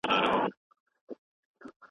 افغانان په خپله خاوره کي نا امنه وو.